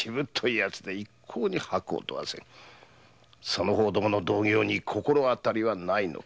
その方どもの同業に心当たりはないのか。